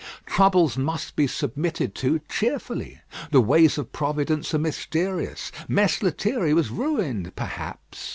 Troubles must be submitted to cheerfully. The ways of Providence are mysterious. Mess Lethierry was ruined, perhaps.